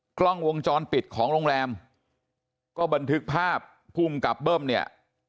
กล้องวงจรปิดของโรงแรมก็บันทึกภาพภูมิกับเบิ้มเนี่ย